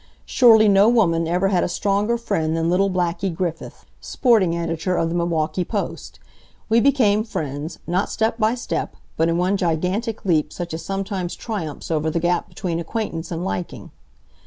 Surely no woman ever had a stronger friend than little "Blackie" Griffith, sporting editor of the Milwaukee Post. We became friends, not step by step, but in one gigantic leap such as sometimes triumphs over the gap between acquaintance and liking.